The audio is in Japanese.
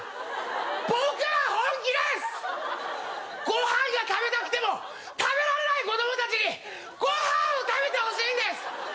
ご飯が食べたくても食べられない子供たちにご飯を食べてほしいんです。